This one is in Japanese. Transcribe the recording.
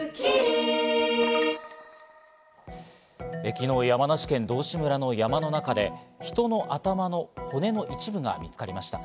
昨日、山梨県道志村の山の中で人の頭の骨の一部が見つかりました。